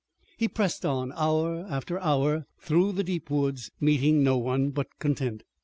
He pressed on, hour after hour, through the deep woods, meeting no one, but content.